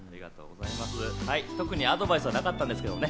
特にアドバイスはなかったんですけどね。